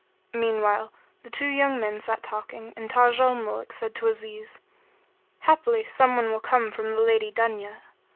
Meanwhile, the two young men sat talking and Taj al Muluk said to Aziz, "Haply some one will come from the Lady Dunya."